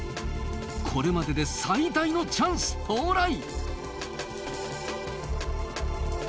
これまでで最大のチャンス到来！